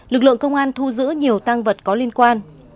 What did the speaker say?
lực lượng công an thu giữ nhiều tăng vật có liên quan